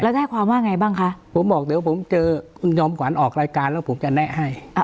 แล้วได้ความว่าไงบ้างคะผมบอกเดี๋ยวผมเจอคุณจอมขวัญออกรายการแล้วผมจะแนะให้